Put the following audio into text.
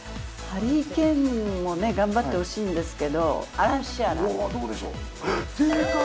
ハリー・ケインも頑張ってほしいんですけど正解！